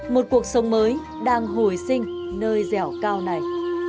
một cuộc sống mới đang hồi sinh nơi dẻo cao này